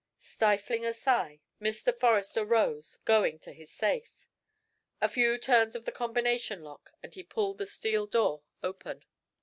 Stifling a sigh, Mr. Forrester rose, going to his safe. A few turns of the combination lock and he pulled the steel door open.